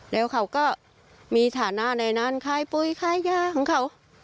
แล้วเขาก็มีฐานะในนั้นขายปุ๋ยขายยาของเขา